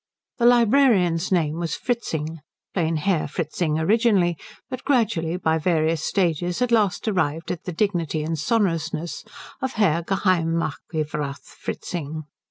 The librarian's name was Fritzing; plain Herr Fritzing originally, but gradually by various stages at last arrived at the dignity and sonorousness of Herr Geheimarchivrath Fritzing.